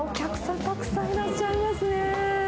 たくさんいらっしゃいますね。